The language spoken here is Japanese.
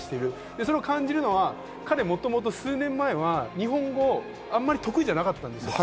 それを感じるのは、彼、もともと数年前は日本語があまり得意ではなかったんですよ。